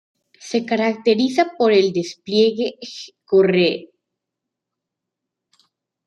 Se caracteriza por el despliegue coreográfico y dramático de cada pareja.